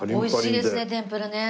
美味しいですね天ぷらね。